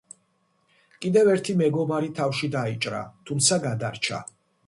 კიდევ ერთი მეგობარი თავში დაიჭრა, თუმცა გადარჩა.